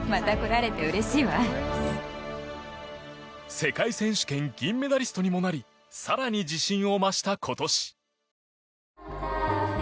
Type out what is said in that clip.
世界選手権銀メダリストにもなり更に自信を増した今年。